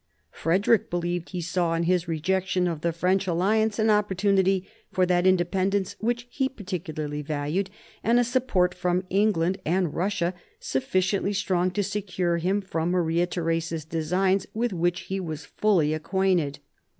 Frederick believed he saw in his rejection of the French alliance an opportunity for that independence which he particularly valued, and a support from England and Russia sufficiently strong to secure him from Maria Theresa's designs, with which he was fully acquainted.